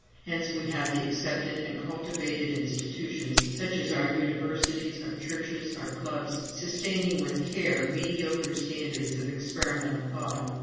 Hence we have the accepted and cultivated institutions, such as our universities, our churches, our clubs, sustaining with care mediocre standards of experimental thought.